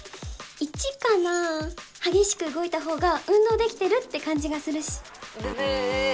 １かな激しく動いた方が運動できてるって感じがするしブブー